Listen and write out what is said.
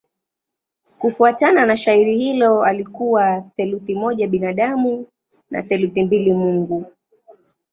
Kufuatana na shairi hilo alikuwa theluthi moja binadamu na theluthi mbili mungu.